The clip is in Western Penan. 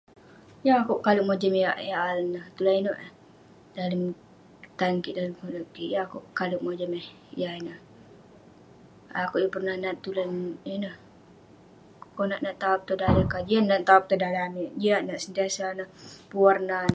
Yeng akeuk kalek mojam yah al- al ineh. Tulan ineuk eh dalem tan kik dalem konep kik, yeng akeuk kalek mojam eh yah ineh. Akeuk yeng pernah nat tulan ineh. Konak nat taop tong daleh kah, jian nat taop tong daleh amik, jiak nat sentiasa neh pun warna.